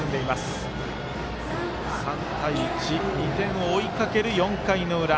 ３対１２点を追いかける４回の裏。